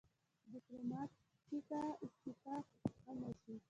ډیپلوماټیکه استفاده هم وشي.